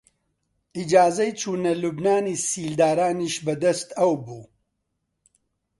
ئیجازەی چوونە لوبنانی سیلدارانیش بە دەست ئەو بوو